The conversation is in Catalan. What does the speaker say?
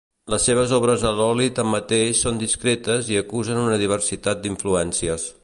Les seves obres a l'oli tanmateix són discretes i acusen una diversitat d'influències.